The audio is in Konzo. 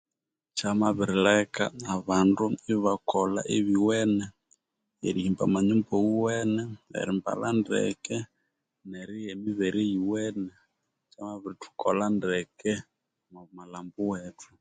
Kyamabirileka abandu ibakolha erihimba amanyumba awiwene erimbalha ndeke nerigha emibere eyiwene kyamabirithukolha ndeke omwa malhambo wethu